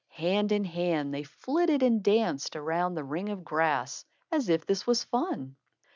Hand in hand, they flitted and danced around the ring of grass, as if this was fun.